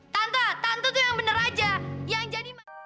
tante tante tuh yang bener aja